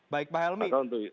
baik pak helmi